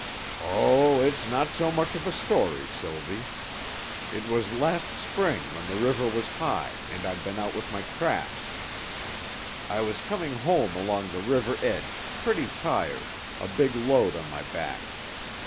"Oh, it's not so much of a story, Sylvie. It was last spring when the river was high and I'd been out with my traps. I was coming home along the river edge, pretty tired, a big load on my back.